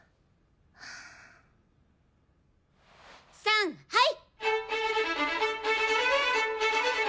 さんはい！